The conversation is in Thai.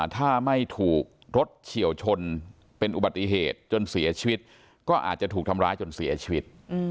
ถ้าไม่ถูกรถเฉียวชนเป็นอุบัติเหตุจนเสียชีวิตก็อาจจะถูกทำร้ายจนเสียชีวิต